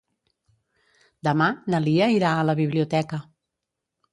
Demà na Lia irà a la biblioteca.